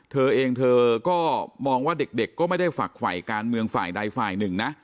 เธอเองเธอก็มองว่าเด็กก็ไม่ได้ฝักฝ่ายการเมืองฝ่ายใดฝ่ายหนึ่งนะ